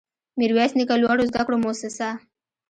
ميرويس نيکه لوړو زده کړو مؤسسه